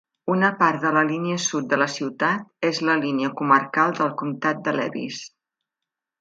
Una part de la línia sud de la ciutat és la línia comarcal del comtat de Lewis.